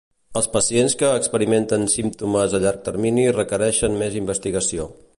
Els pacients que experimenten símptomes a llarg termini requereixen més investigació.